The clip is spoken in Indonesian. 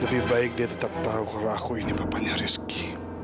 lebih baik dia tetap tahu kalau aku ini bapaknya rizki